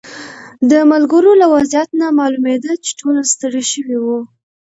د ملګرو له وضعیت نه معلومېده چې ټول ستړي شوي وو.